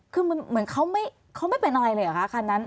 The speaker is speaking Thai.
คือเหมือนเขาไม่เป็นอะไรเลยเหรอคะคันนั้น